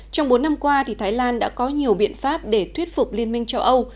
trong bốn năm qua thái lan đã có nhiều biện pháp để thuyết phục liên minh châu âu